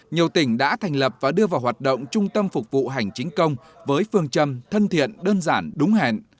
nhiều tỉnh đã thành lập và đưa vào hoạt động trung tâm phục vụ hành chính công với phương châm thân thiện đơn giản đúng hẹn